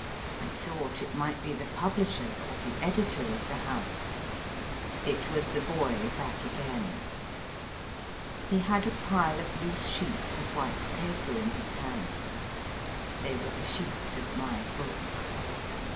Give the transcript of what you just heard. I thought it might be the pub lisher or the editor of the house. It was the boy back again. He had a pile of loose sheets of white paper in his hands. They were the sheets of my book.